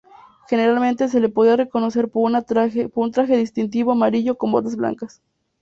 Generalmente se le podía reconocer por un traje distintivo amarillo con botas blancas.